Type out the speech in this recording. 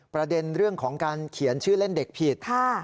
ประเด็นเรื่องของการเขียนชื่อเล่นเด็กผิด